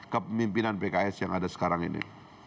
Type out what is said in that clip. kepemimpinan pks yang ada sekarang ini